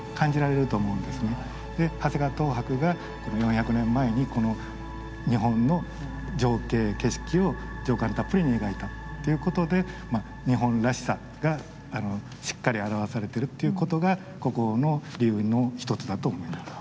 で長谷川等伯が４００年前にこの日本の情景景色を情感たっぷりに描いたっていうことで日本らしさがしっかり表されてるっていうことが国宝の理由の一つだと思います。